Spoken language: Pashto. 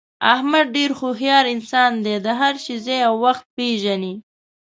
احمد ډېر هوښیار انسان دی، د هر شي ځای او وخت پېژني.